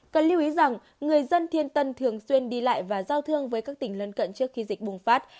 cần lưu ý rằng người dân thiên tân thường xuyên đi lại và giao thương với các tỉnh lân cận trước khi dịch bùng phát